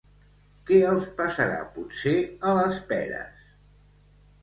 Què els passarà potser a les peres?